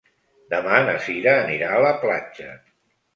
Demà na Cira anirà a la platja.